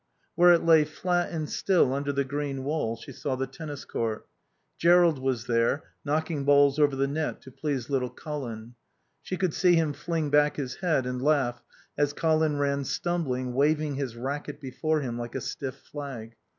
Where it lay flat and still under the green wall she saw the tennis court. Jerrold was there, knocking balls over the net to please little Colin. She could see him fling back his head and laugh as Colin ran stumbling, waving his racquet before him like a stiff flag.